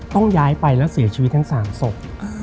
ต้องย้ายไปแล้วเสียชีวิตทั้ง๓ศพ